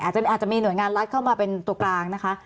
อาจจะมีหน่วยงานรัฐเข้ามาเป็นตัวกลางนะคะ